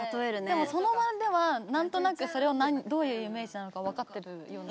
でもその場では何となくそれをどういうイメージなのか分かってるよね。